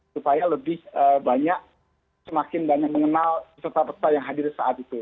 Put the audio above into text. supaya lebih banyak semakin banyak mengenal peserta peserta yang hadir saat itu